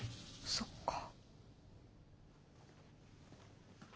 そっか。